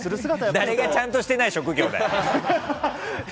誰がちゃんとしてない職業だよ！